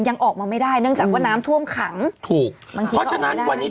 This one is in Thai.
ยังออกมาไม่ได้เนื่องจากว่าน้ำท่วมขังถูกบางทีเพราะฉะนั้นวันนี้